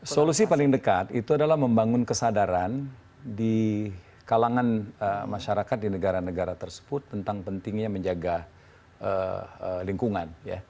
solusi paling dekat itu adalah membangun kesadaran di kalangan masyarakat di negara negara tersebut tentang pentingnya menjaga lingkungan